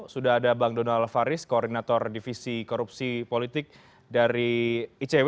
sudah ada bang donald faris koordinator divisi korupsi politik dari icw